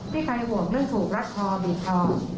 พี่คัญกวมเรื่องถูกรัดคลอเบียบคลอ